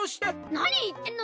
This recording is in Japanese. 何言ってんの！